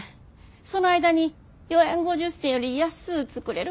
その間に４円５０銭より安う作れる